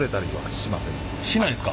しないんですか？